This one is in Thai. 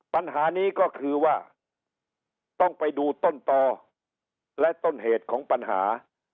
ปัญหานี้ก็คือว่าต้องไปดูต้นต่อและต้นเหตุของปัญหา